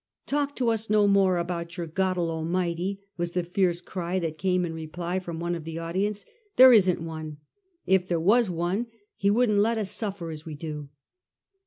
' Talk to us no more about thy Goddle Mighty,' was the fierce cry that came in reply from one of the audience ;' there isn't one ! If there was one, he wouldn't let us suffer as we do